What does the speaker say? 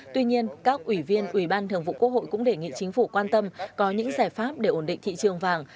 tuy nhiên các ủy viên ủy ban thường vụ quốc hội cũng đề nghị chính phủ quan tâm có những giải pháp để ổn định thị trường vàng